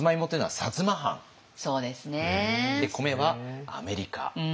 で「米」はアメリカ。